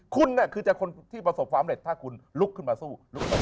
คุณคือจะคนที่ประสบความเร็จถ้าคุณลุกขึ้นมาสู้ลุก